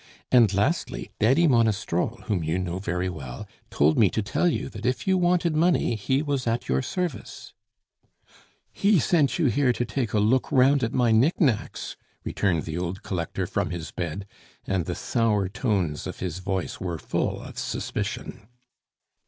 And lastly, Daddy Monistrol, whom you know very well, told me to tell you that if you wanted money he was at your service " "He sent you here to take a look round at my knick knacks!" returned the old collector from his bed; and the sour tones of his voice were full of suspicion.